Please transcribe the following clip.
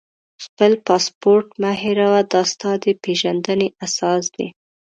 خپل پاسپورټ مه هېروه، دا ستا د پېژندنې اساس دی.